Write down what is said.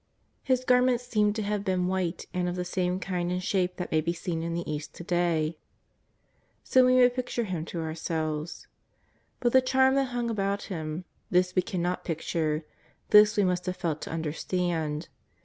His garments seem to have been white and of the same kind and shape that may be seen in the East to day. S(7 we may picture Him to ourselves. But the charm that hung about Him, this we cannot picture, this we must have felt to understand.